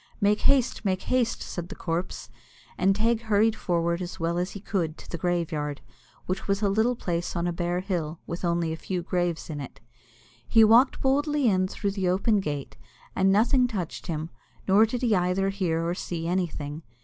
"Make haste, make haste!" said the corpse; and Teig hurried forward as well as he could to the graveyard, which was a little place on a bare hill, with only a few graves in it. He walked boldly in through the open gate, and nothing touched him, nor did he either hear or see anything.